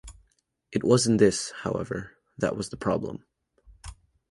It wasn’t this, however, that was the problem.